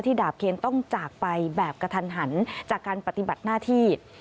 ดาบเคนต้องจากไปแบบกระทันหันจากการปฏิบัติหน้าที่